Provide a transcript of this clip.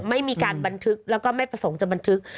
ไม่มีการบันทึกแล้วก็ไม่ประสงค์จะบันทึก